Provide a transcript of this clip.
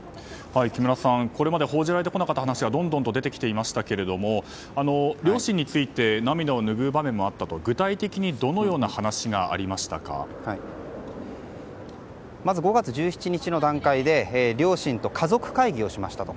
木村さん、これまで報じられてこなかった話がどんどんと出てきていましたが両親について涙を拭う場面もあったと具体的にどのようなまず５月１７日の段階で両親と家族会議をしましたと。